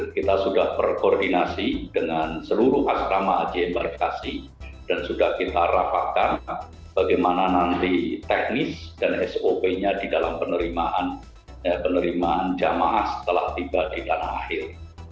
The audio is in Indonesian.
kita sudah berkoordinasi dengan seluruh asrama haji embarkasi dan sudah kita rapatkan bagaimana nanti teknis dan sop nya di dalam penerimaan jamaah setelah tiba di tanah air